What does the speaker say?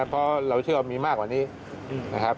เพราะเราเชื่อว่ามีมากกว่านี้นะครับ